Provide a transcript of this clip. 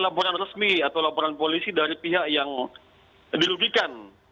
laporan resmi atau laporan polisi dari pihak yang dirugikan